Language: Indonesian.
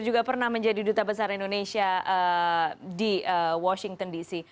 juga pernah menjadi duta besar indonesia di washington dc